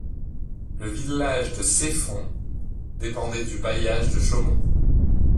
Le village de Ceffonds dépendait du bailliage de Chaumont.